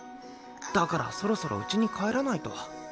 だからそろそろうちに帰らないと。